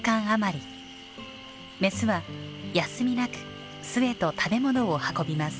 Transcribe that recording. メスは休みなく巣へと食べ物を運びます。